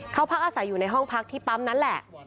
เขาพักอาศัยอยู่ในห้องพักที่ปั๊มนั้นแหละ